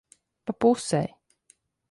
Pa pusei.